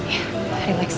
oke yaudah deh relaks